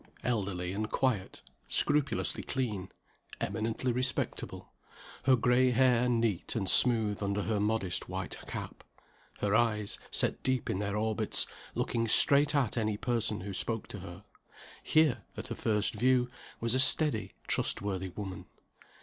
Elderly and quiet; scrupulously clean; eminently respectable; her gray hair neat and smooth under her modest white cap; her eyes, set deep in their orbits, looking straight at any person who spoke to her here, at a first view, was a steady, trust worthy woman.